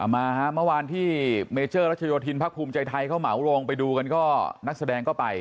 มาฮะเมื่อวานที่เมเจอร์รัชโยธินพักภูมิใจไทยเขาเหมาลงไปดูกันก็นักแสดงก็ไป